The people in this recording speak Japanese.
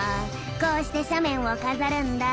こうして斜面を飾るんだ」。